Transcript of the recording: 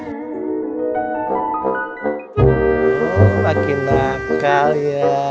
oh makin nakal ya